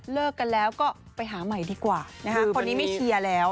เลิกกันแล้วก็ไปหาใหม่ดีกว่านะคะคนนี้ไม่เชียร์แล้ว